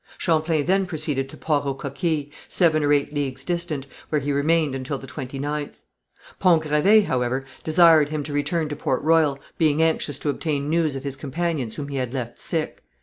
Champlain then proceeded to Port aux Coquilles, seven or eight leagues distant, where he remained until the twenty ninth. Pont Gravé, however, desired him to return to Port Royal, being anxious to obtain news of his companions whom he had left sick.